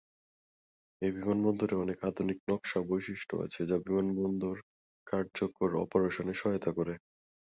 এই বিমানবন্দরে অনেক আধুনিক নকশা বৈশিষ্ট্য আছে, যা বিমানবন্দর কার্যকর অপারেশনে সহায়তা করে।